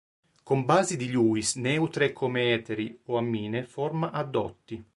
Con basi di Lewis neutre come eteri o ammine forma addotti.